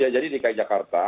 jadi dki jakarta